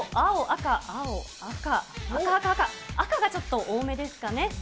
赤赤赤、赤がちょっと多めですかね。